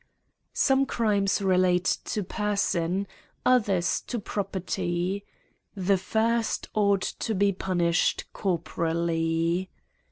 SOME crimes relate to person^ others to pro peril/. The first ought to be punished corporally.